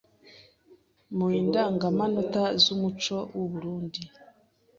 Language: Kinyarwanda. mu Indangamanota z’umuco w’u Burunndi